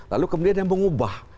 lalu kemudian dia mengubah